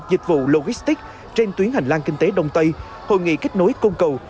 dịch vụ logistic trên tuyến hành lang kinh tế đông tây hội nghị kết nối cung cầu